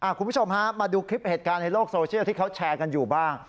คุณผู้ชมฮะมาดูคลิปเหตุการณ์ในโลกโซเชียลที่เขาแชร์กันอยู่บ้าง